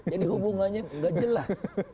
jadi hubungannya nggak jelas